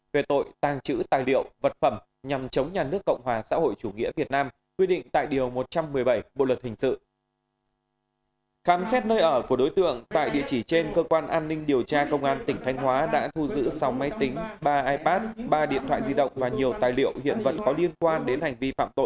về tội tàng trữ tài liệu vật phẩm nhằm chống nhà nước cộng hòa xã hội chủ nghĩa việt nam quy định tại điều một trăm một mươi bảy bộ luật hình sự